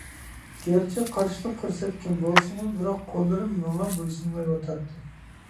گەرچە قارشىلىق كۆرسەتكۈم بولسىمۇ، بىراق قوللىرىم ماڭا بويسۇنمايۋاتاتتى.